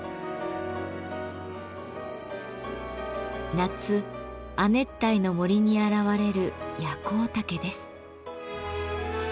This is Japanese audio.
夏亜熱帯の森に現れるヤコウタケです。